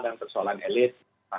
dan persoalan elit